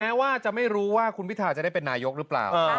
แม้ว่าจะไม่รู้ว่าคุณพิทาจะได้เป็นนายกหรือเปล่า